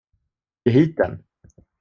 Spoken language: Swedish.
Ge hit den!